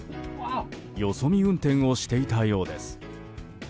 よそ見運転をしていたようです。